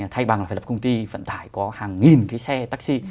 thay bằng phải lập công ty vận tải có hàng nghìn cái xe taxi